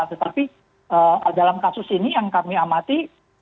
tetapi dalam kasus ini yang kami amati